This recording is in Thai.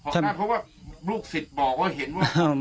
ใช่ไหมเพราะว่าลูกศิษย์บอกว่าเห็นว่า